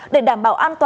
để đảm bảo an toàn